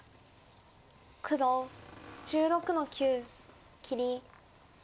黒１６の九切り。